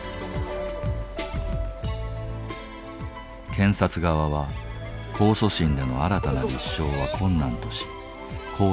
検察側は「控訴審での新たな立証は困難」とし控訴を断念。